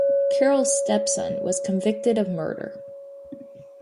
Carroll's stepson was convicted of murder.